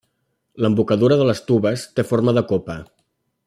L'embocadura de les tubes té forma de copa.